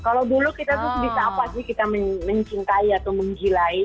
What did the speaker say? kalau dulu kita tuh sebisa apa sih kita mencintai atau menggilai